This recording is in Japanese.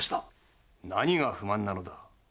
何が不満なのだ？